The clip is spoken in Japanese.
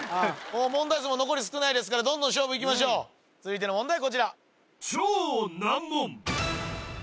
もう問題数も残り少ないですからどんどん勝負いきましょう続いての問題